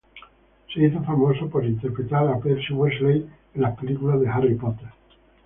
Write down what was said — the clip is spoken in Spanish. Se hizo famoso por interpretar a Percy Weasley en las películas de "Harry Potter".